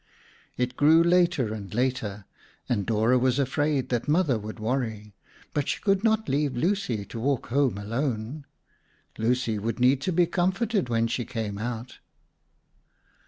It grew later and later and Dora was afraid that Mother would worry, but she could not leave Lucy to walk home alone. Lucy would need to be comforted when she came out.